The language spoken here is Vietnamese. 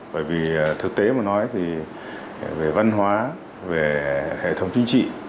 bởi vì thực tế mà nói thì về văn hóa về hệ thống chính trị